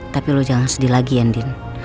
tapi lo jangan sedih lagi ya andin